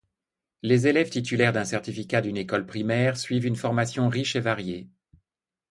Les élèves titulaires d’un certificat d’une école primaire suivent une formation riche et variée.